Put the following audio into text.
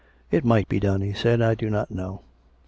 " It might be done," he said. " I do not know."